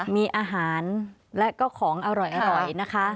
มีอาหารและก็ของอร่อยนะคะ